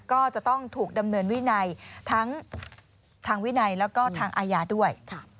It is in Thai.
ก็จะต้องถูกดำเนินวินัยทั้งทางวินัยแล้วก็ทางอาญาด้วย